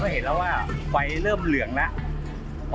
ก็เป็นอีกหนึ่งเหตุการณ์ที่เกิดขึ้นที่จังหวัดต่างปรากฏว่ามีการวนกันไปนะคะ